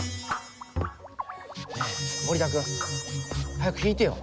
ねえ森田君。早く引いてよ。